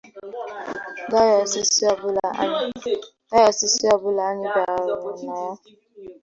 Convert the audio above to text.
dayọsiisi ọbụla anyị bịaruru na ya